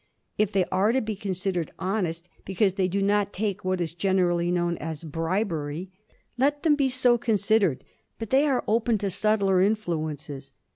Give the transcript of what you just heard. If they are to be considered honest because they do not take what is generally known as bribery, let them be so considered, but they are open to subtler influences.